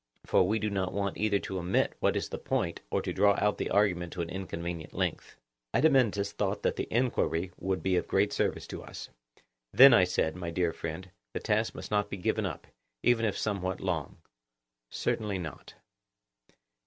for we do not want either to omit what is to the point or to draw out the argument to an inconvenient length. Adeimantus thought that the enquiry would be of great service to us. Then, I said, my dear friend, the task must not be given up, even if somewhat long. Certainly not.